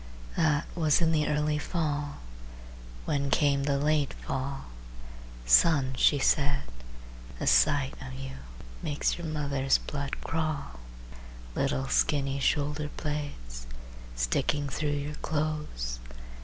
That was in the early fall. When came the late fall, "Son," she said, "the sight of you Makes your mother's blood crawl,– "Little skinny shoulder blades Sticking through your clothes!